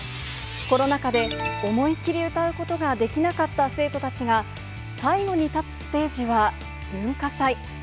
コロナ禍で思い切り歌うことができなかった生徒たちが、最後に立つステージは文化祭。